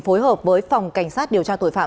phối hợp với phòng cảnh sát điều tra tội phạm